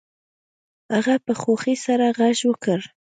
هغه په خوښۍ سره غږ وکړ